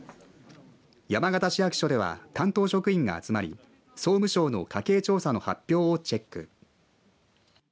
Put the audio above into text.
山形市役所では担当職員が集まり総務省の家計調査の発表をチェック。